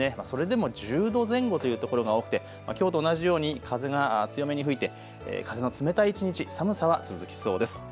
それでも１０度前後というところが多くて、きょうと同じように風が強めに吹いて風の冷たい一日、寒さは続きそうです。